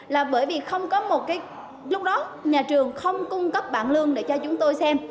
là bởi vì không có một cái lúc đó nhà trường không cung cấp bảng lương để cho chúng tôi xem